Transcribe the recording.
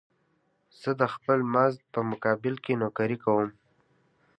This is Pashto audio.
زه د خپل مزد په مقابل کې نوکري کومه.